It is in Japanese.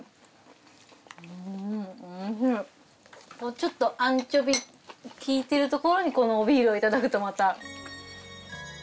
ちょっとアンチョビ効いてるところにこのおビールをいただくとまた。